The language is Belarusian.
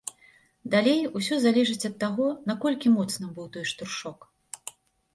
Далей усё залежыць ад таго наколькі моцным быў той штуршок.